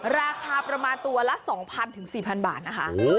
ราคาประมาณตัวละ๒๐๐ถึง๔๐๐บาทนะคะ